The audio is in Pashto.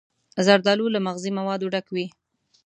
زردالو له مغذي موادو ډک وي.